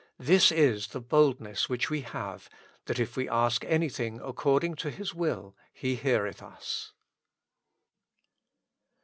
" This is the bold ness which we have, that if we ask anything according to His will, He heareth us."